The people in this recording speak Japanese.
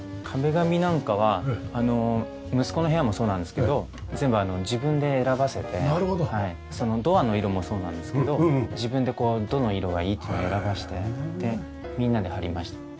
壁紙なんかはあの息子の部屋もそうなんですけど全部自分で選ばせてドアの色もそうなんですけど自分でどの色がいいっていうの選ばせてみんなで貼りました。